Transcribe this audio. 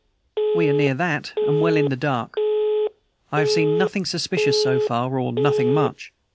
We are near that, and well in the dark. I have seen nothing suspicious so far or nothing much.